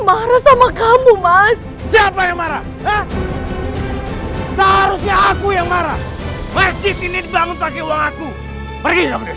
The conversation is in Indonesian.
mau ngapain kalian kesini lagi ye